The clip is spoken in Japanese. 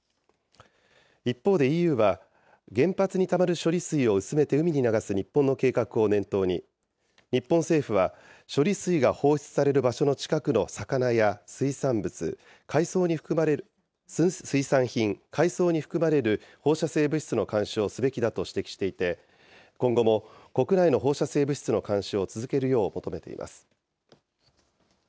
一方でＥＵは、原発にたまる処理水を薄めて海に流す日本の計画を念頭に、日本政府は処理水が放出される場所の近くの魚や水産品、海藻に含まれる放射性物質の監視をすべきだと指摘していて、今後も国内の放射性物質の監視を続けるよう求めています。